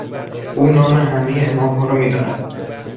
او نام همهی امامها را میداند.